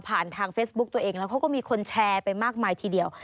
ทางเฟซบุ๊กตัวเองแล้วเขาก็มีคนแชร์ไปมากมายทีเดียว